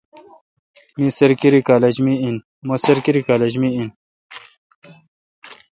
می سرکیری کالج می این۔